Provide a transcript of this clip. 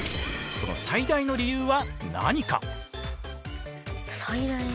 その最大の理由は何か？